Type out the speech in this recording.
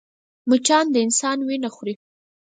مچان د انسان وينه خوري